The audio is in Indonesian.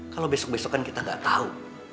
kalau besok besokan kita gak tau